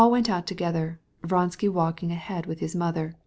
They went out together. Vronsky was in front with his mother.